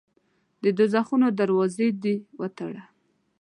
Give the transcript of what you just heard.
د دوږخونو دروازې دي وتړه.